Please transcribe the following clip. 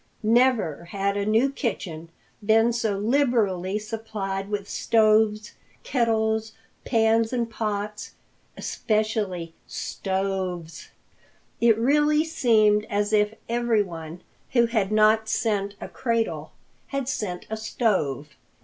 Never had a new kitchen been so liberally supplied with stoves, kettles, pans and pots, especially stoves. It really seemed as if everyone who had not sent a cradle had sent a stove.